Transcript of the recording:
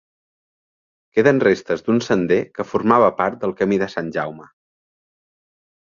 Queden restes d'un sender que formava part del Camí de Sant Jaume.